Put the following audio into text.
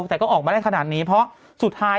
แต่ก็ออกมาได้ขนาดนี้เพราะสุดท้าย